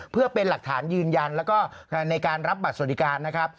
เพื่อเป็นหลักฐานยืนยันแล้วก็ในการรับบัตรสวัสดิการนะครับ